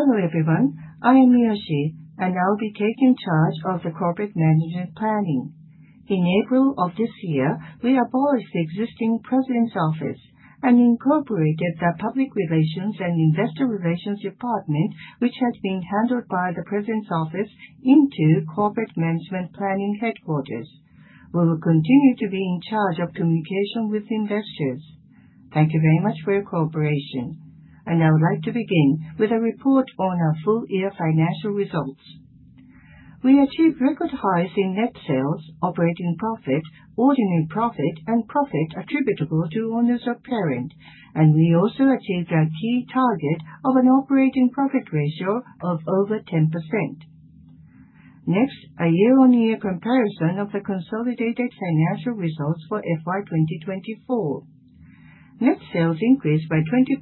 Hello everyone, I am Miyoshi, and I'll be taking charge of the Corporate Management Planning. In April of this year, we abolished the existing President's Office and incorporated the Public Relations and Investor Relations Department, which had been handled by the President's Office, into Corporate Management Planning Headquarters. We will continue to be in charge of communication with investors. Thank you very much for your cooperation, and I would like to begin with a report on our full-year financial results. We achieved record highs in net sales, operating profit, ordinary profit, and profit attributable to owners of parent, and we also achieved our key target of an operating profit ratio of over 10%. Next, a year-on-year comparison of the consolidated financial results for FY 2024. Net sales increased by 20.2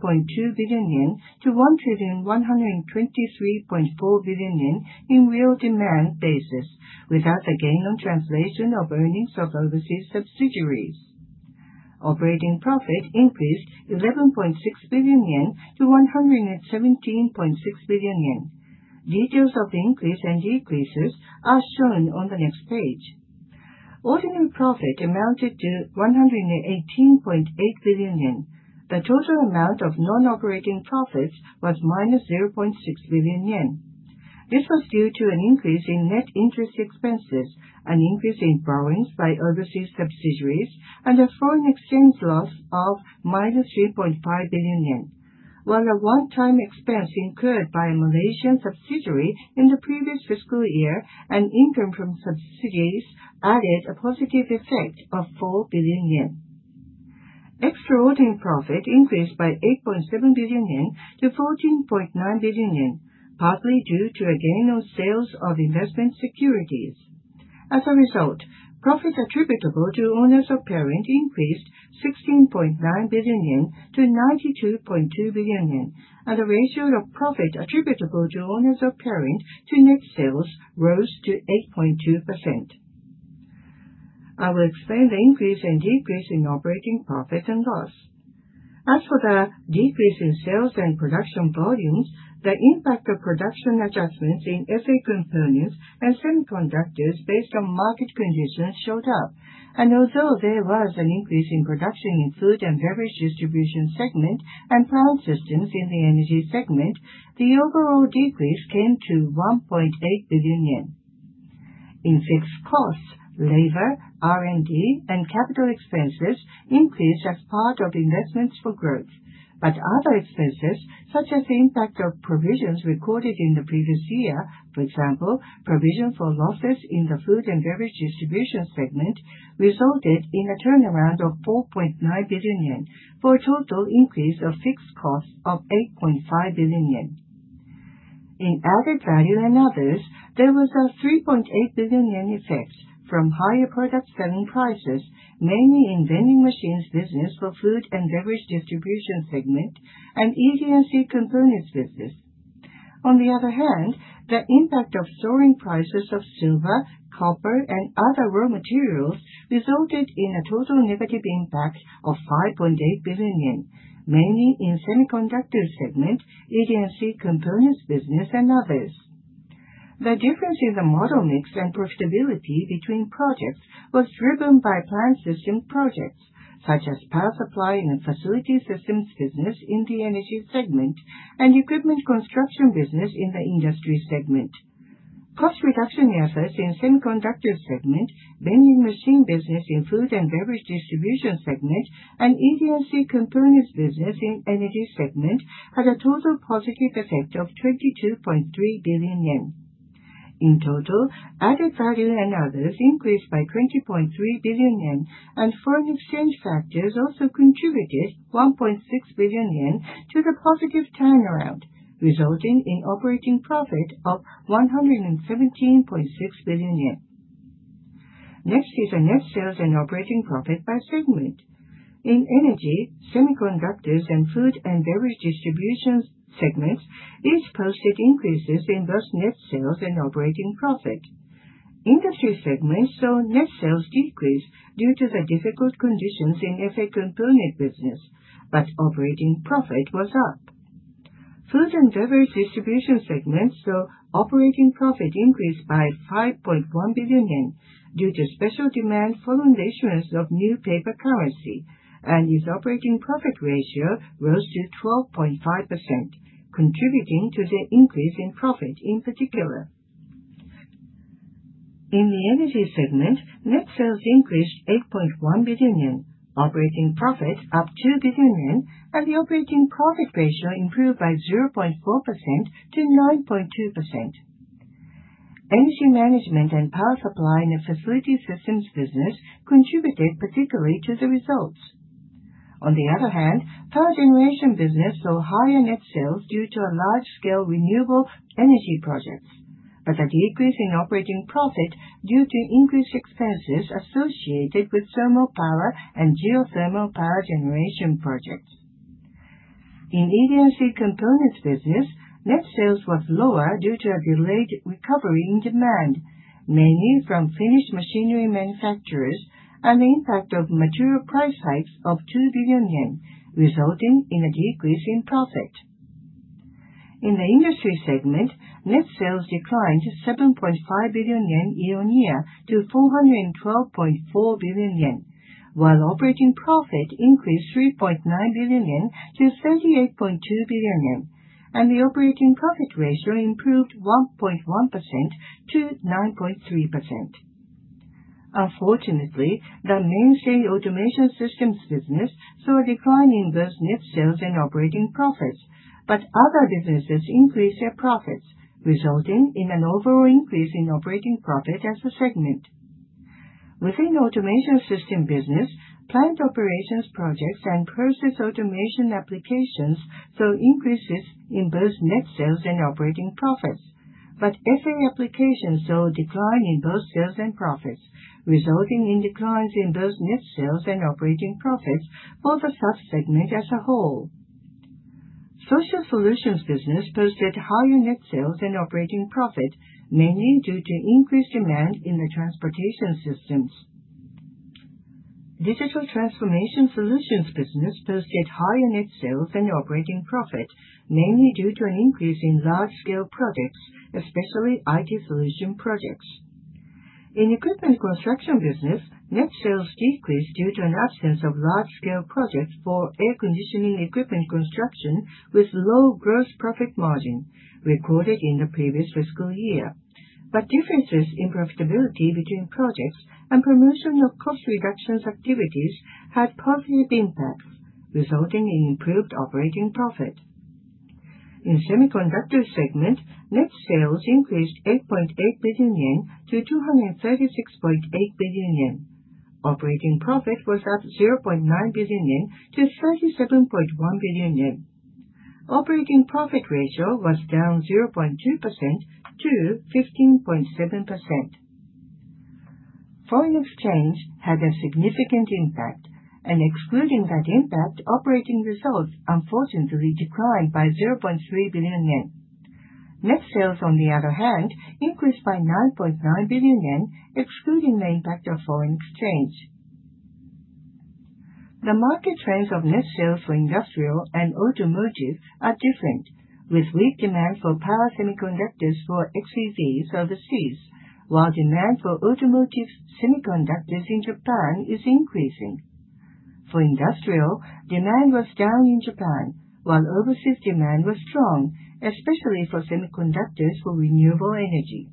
billion yen to 1 trillion 123.4 billion in real demand basis, without the gain on translation of earnings of overseas subsidiaries. Operating profit increased 11.6 billion yen to 117.6 billion yen. Details of the increase and decreases are shown on the next page. Ordinary profit amounted to 118.8 billion yen. The total amount of non-operating profits was minus 0.6 billion yen. This was due to an increase in net interest expenses, an increase in borrowings by overseas subsidiaries, and a foreign exchange loss of minus 3.5 billion yen, while a one-time expense incurred by a Malaysian subsidiary in the previous fiscal year and income from subsidies added a positive effect of 4 billion yen. Extraordinary profit increased by 8.7 billion yen to 14.9 billion yen, partly due to a gain on sales of investment securities. As a result, profit attributable to owners of parent increased 16.9 billion yen to 92.2 billion yen, and the ratio of profit attributable to owners of parent to net sales rose to 8.2%. I will explain the increase and decrease in operating profits and loss. As for the decrease in sales and production volumes, the impact of production adjustments in FA components and semiconductors based on market conditions showed up, and although there was an increase in production in Food and Beverage Distribution segment and plant systems in the Energy segment, the overall decrease came to 1.8 billion yen. In fixed costs, labor, R&D, and capital expenses increased as part of investments for growth, but other expenses, such as the impact of provisions recorded in the previous year, for example, provision for losses in the Food and Beverage Distribution segment, resulted in a turnaround of 4.9 billion yen for a total increase of fixed costs of 8.5 billion yen. In added value and others, there was a 3.8 billion yen effect from higher product selling prices, mainly in Vending Machines business for Food and Beverage Distribution segment and ED&C Components business. On the other hand, the impact of soaring prices of silver, copper, and other raw materials resulted in a total negative impact of 5.8 billion yen, mainly in Semiconductor segment, ED&C Components business, and others. The difference in the model mix and profitability between projects was driven by plant system projects, such as Power Supply and Facility Systems business in the Energy segment and Equipment Construction business in the Industry segment. Cost reduction effects in Semiconductor segment, vending machine business in Food and Beverage Distribution segment, and ED&C Components business in Energy segment had a total positive effect of 22.3 billion yen. In total, added value and others increased by 20.3 billion yen, and foreign exchange factors also contributed 1.6 billion yen to the positive turnaround, resulting in operating profit of 117.6 billion yen. Next is net sales and operating profit by segment. In energy, semiconductors, and Food and Beverage Distribution segments, these posted increases in both net sales and operating profit. Industry segments saw net sales decrease due to the difficult conditions in FA component business, but operating profit was up. Food and Beverage Distribution segment saw operating profit increase by 5.1 billion yen due to special demand for vending machines of new paper currency, and this operating profit ratio rose to 12.5%, contributing to the increase in profit in particular. In the Energy segment, net sales increased 8.1 billion yen, operating profit up 2 billion yen, and the operating profit ratio improved by 0.4% to 9.2%. Energy Management and Power Supply and Facility Systems business contributed particularly to the results. On the other hand, Power Generation business saw higher net sales due to large-scale renewable energy projects, but a decrease in operating profit due to increased expenses associated with thermal power and geothermal power generation projects. In ED&C Components business, net sales was lower due to a delayed recovery in demand, mainly from Finnish machinery manufacturers, and the impact of material price hikes of 2 billion yen, resulting in a decrease in profit. In the Industry segment, net sales declined 7.5 billion yen year on year to 412.4 billion yen, while operating profit increased 3.9 billion yen to 38.2 billion yen, and the operating profit ratio improved 1.1% to 9.3%. Unfortunately, the mainstay Automation Systems business saw a decline in both net sales and operating profits, but other businesses increased their profits, resulting in an overall increase in operating profit as a segment. Within automation system business, plant operations projects and process automation applications saw increases in both net sales and operating profits, but FA applications saw a decline in both sales and profits, resulting in declines in both net sales and operating profits for the subsegment as a whole. Social Solutions business posted higher net sales and operating profit, mainly due to increased demand in the transportation systems. Digital Transformation Solutions business posted higher net sales and operating profit, mainly due to an increase in large-scale projects, especially IT solution projects. In Equipment Construction business, net sales decreased due to an absence of large-scale projects for air conditioning equipment construction with low gross profit margin recorded in the previous fiscal year, but differences in profitability between projects and promotion of cost reduction activities had positive impacts, resulting in improved operating profit. In Semiconductor segment, net sales increased 8.8 billion yen to 236.8 billion yen. Operating profit was up 0.9 billion yen to 37.1 billion yen. Operating profit ratio was down 0.2% to 15.7%. Foreign exchange had a significant impact, and excluding that impact, operating results unfortunately declined by 0.3 billion yen. Net sales, on the other hand, increased by 9.9 billion yen, excluding the impact of foreign exchange. The market trends of net sales for industrial and automotive are different, with weak demand for power semiconductors for xEVs overseas, while demand for automotive semiconductors in Japan is increasing. For industrial, demand was down in Japan, while overseas demand was strong, especially for semiconductors for renewable energy.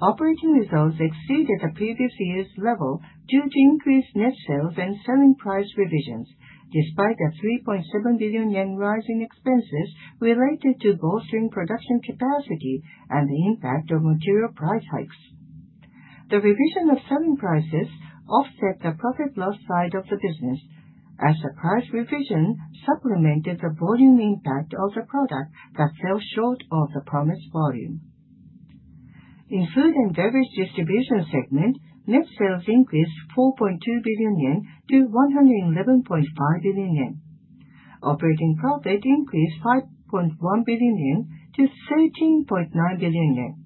Operating results exceeded the previous year's level due to increased net sales and selling price revisions, despite the 3.7 billion yen rise in expenses related to bolstering production capacity and the impact of material price hikes. The revision of selling prices offset the profit loss side of the business, as the price revision supplemented the volume impact of the product that fell short of the promised volume. In Food and Beverage Distribution segment, net sales increased 4.2 billion yen to 111.5 billion yen. Operating profit increased 5.1 billion yen to 13.9 billion yen.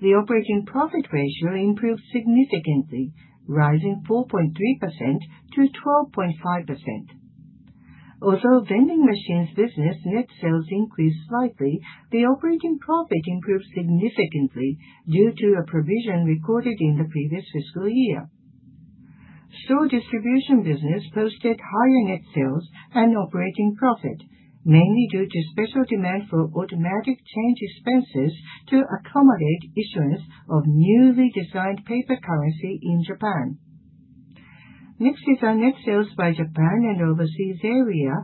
The operating profit ratio improved significantly, rising 4.3% to 12.5%. Although Vending Machines business net sales increased slightly, the operating profit improved significantly due to a provision recorded in the previous fiscal year. Store Distribution business posted higher net sales and operating profit, mainly due to special demand for automatic change dispensers to accommodate issuance of newly designed paper currency in Japan. Next is net sales by Japan and overseas area.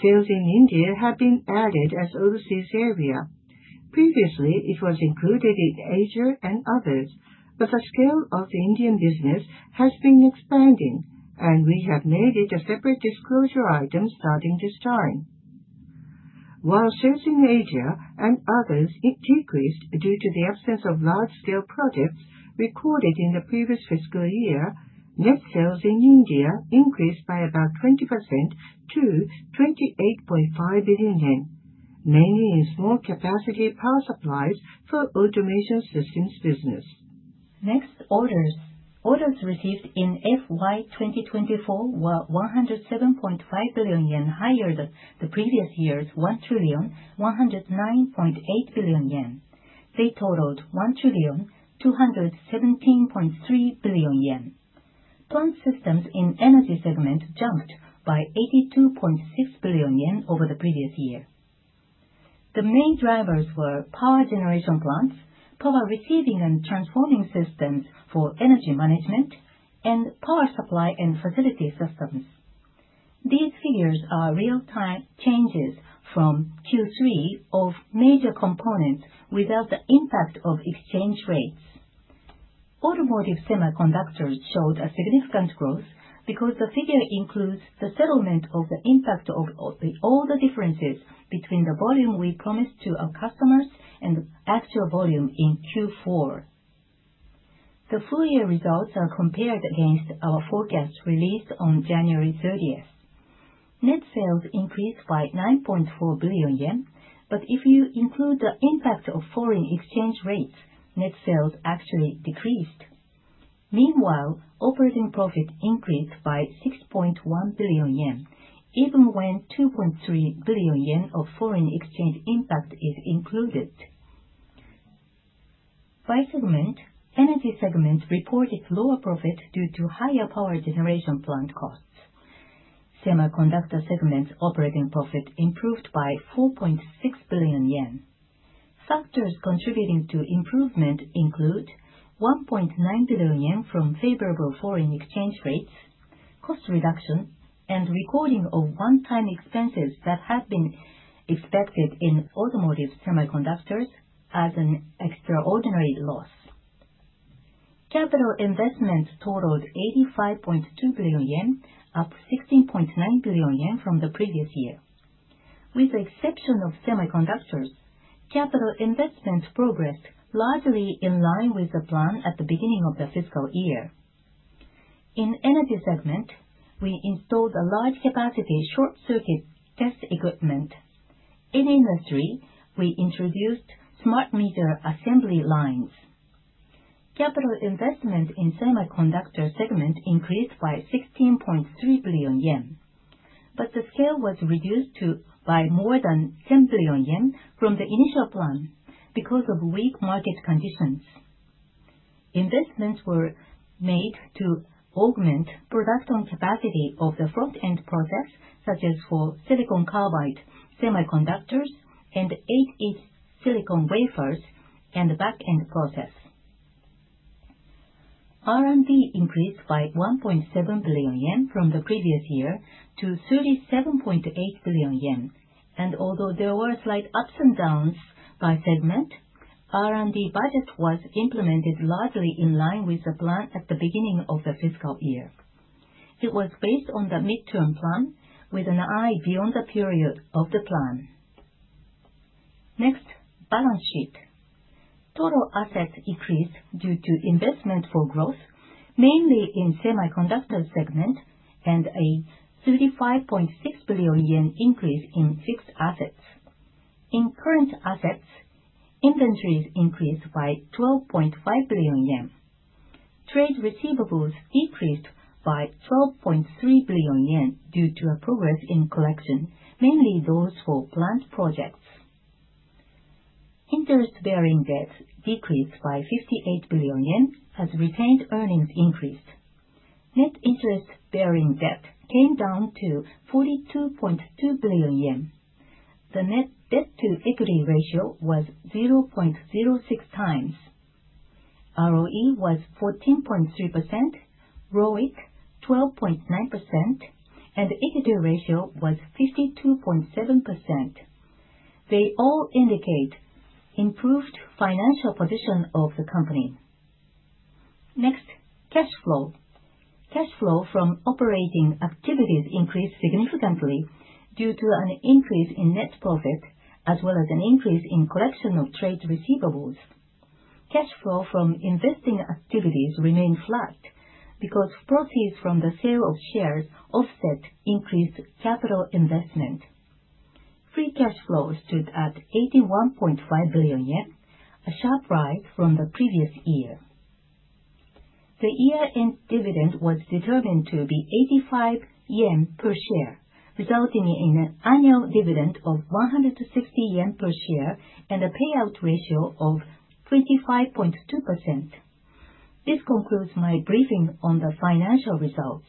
Sales in India have been added as overseas area. Previously, it was included in Asia and others, but the scale of the Indian business has been expanding, and we have made it a separate disclosure item starting this time. While sales in Asia and others decreased due to the absence of large-scale projects recorded in the previous fiscal year, net sales in India increased by about 20% to 28.5 billion yen, mainly in small capacity power supplies for Automation Systems business. Next, orders. Orders received in FY 2024 were 107.5 billion yen, higher than the previous year's 1 trillion 109.8 billion. They totaled 1 trillion 217.3 billion. Plant systems in Energy segment jumped by 82.6 billion yen over the previous year. The main drivers were power generation plants, power receiving and transforming systems for energy management, and power supply and facility systems. These figures are real-time changes from Q3 of major components without the impact of exchange rates. Automotive semiconductors showed a significant growth because the figure includes the settlement of the impact of all the differences between the volume we promised to our customers and the actual volume in Q4. The full year results are compared against our forecast released on January 30th. Net sales increased by 9.4 billion yen, but if you include the impact of foreign exchange rates, net sales actually decreased. Meanwhile, operating profit increased by 6.1 billion yen, even when 2.3 billion yen of foreign exchange impact is included. By segment, Energy segment reported lower profit due to higher power generation plant costs. Semiconductor segment's operating profit improved by 4.6 billion yen. Factors contributing to improvement include 1.9 billion yen from favorable foreign exchange rates, cost reduction, and recording of one-time expenses that had been expected in automotive semiconductors as an extraordinary loss. Capital investment totaled 85.2 billion yen, up 16.9 billion yen from the previous year. With the exception of semiconductors, capital investment progressed largely in line with the plan at the beginning of the fiscal year. In Energy segment, we installed a large-capacity short-circuit test equipment. In industry, we introduced smart meter assembly lines. Capital investment in Semiconductor segment increased by 16.3 billion yen, but the scale was reduced by more than 10 billion yen from the initial plan because of weak market conditions. Investments were made to augment production capacity of the front-end process, such as for silicon carbide semiconductors and 8-inch silicon wafers and the back-end process. R&D increased by 1.7 billion yen from the previous year to 37.8 billion yen, and although there were slight ups and downs by segment, R&D budget was implemented largely in line with the plan at the beginning of the fiscal year. It was based on the midterm plan with an eye beyond the period of the plan. Next, balance sheet. Total assets decreased due to investment for growth, mainly in Semiconductor segment, and a 35.6 billion yen increase in fixed assets. In current assets, inventories increased by 12.5 billion yen. Trade receivables decreased by 12.3 billion yen due to progress in collection, mainly those for plant projects. Interest-bearing debt decreased by 58 billion yen as retained earnings increased. Net interest-bearing debt came down to 42.2 billion yen. The net debt-to-equity ratio was 0.06 times. ROE was 14.3%, ROIC 12.9%, and equity ratio was 52.7%. They all indicate improved financial position of the company. Next, cash flow. Cash flow from operating activities increased significantly due to an increase in net profit as well as an increase in collection of trade receivables. Cash flow from investing activities remained flat because proceeds from the sale of shares offset increased capital investment. Free cash flow stood at 81.5 billion yen, a sharp rise from the previous year. The year-end dividend was determined to be 85 yen per share, resulting in an annual dividend of 160 yen per share and a payout ratio of 25.2%. This concludes my briefing on the financial results.